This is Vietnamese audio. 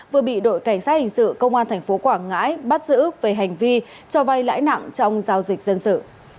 vừa bị đội cảnh sát hình sự công an tp quảng ngãi bắt giữ về hành vi cho vay lãi nặng trong giao dịch dân sự